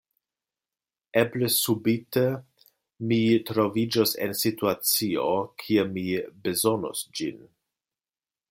Eble subite, mi troviĝos en situacio, kie mi bezonos ĝin.